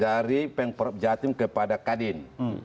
dari pengprop jatim kepada kadin